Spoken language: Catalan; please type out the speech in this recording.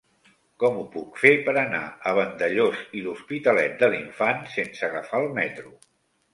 Com ho puc fer per anar a Vandellòs i l'Hospitalet de l'Infant sense agafar el metro?